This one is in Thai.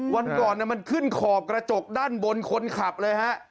วันก่อนมันขึ้นขอบกระจกด้านบนคนขับเลยฮะ